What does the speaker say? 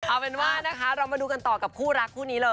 เอาเป็นว่านะคะเรามาดูกันต่อกับคู่รักคู่นี้เลย